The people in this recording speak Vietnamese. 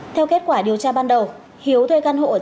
theo kết quả điều tra ban đầu hiếu thuê căn hộ ở trung quốc